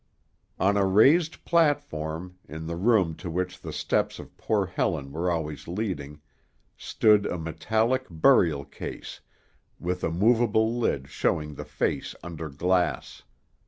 On a raised platform, in the room to which the steps of poor Helen were always leading, stood a metallic burial case, with a movable lid showing the face under glass.